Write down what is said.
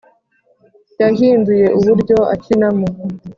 yahinduye uburyo akinamo